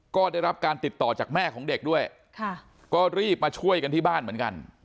ก็ได้รับการติดต่อจากแม่ของเด็กด้วยก็รีบมาช่วยกันที่บ้านเหมือนกัน